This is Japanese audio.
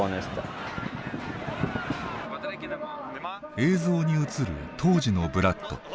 映像に映る当時のブラッド。